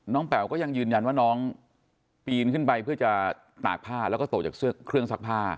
แป๋วก็ยังยืนยันว่าน้องปีนขึ้นไปเพื่อจะตากผ้าแล้วก็ตกจากเครื่องซักผ้า